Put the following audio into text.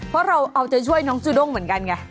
เพราะเราเอาใจช่วยน้องจูด้งเหมือนกันไง